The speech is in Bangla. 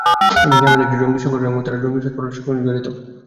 এখানে জামায়াত একটি সন্ত্রাসী সংগঠন এবং তারা জঙ্গি তৎপরতার সঙ্গে জড়িত।